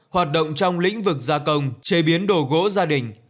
hoạt động trong lĩnh vực gia công chế biến đồ gỗ gia đình